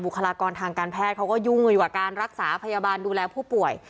คลากรทางการแพทย์เขาก็ยุ่งอยู่กับการรักษาพยาบาลดูแลผู้ป่วย